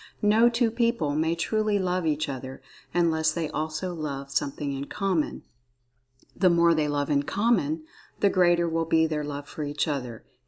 No two people may truly love each other, unless they also love something in common—the more they love in common, the greater will be their love for each other.